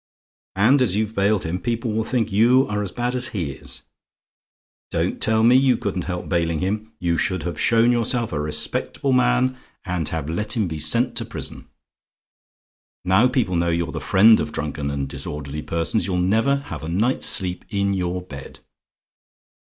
"And as you have bailed him, people will think you are as bad as he is. Don't tell me you couldn't help bailing him; you should have shown yourself a respectable man, and have let him been sent to prison. "Now people know you're the friend of drunken and disorderly persons, you'll never have a night's sleep in your bed.